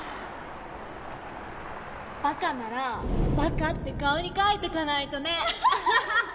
バカならバカって顔に書いとかないとね。